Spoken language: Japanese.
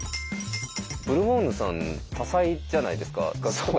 ブルボンヌさん多才じゃないですか。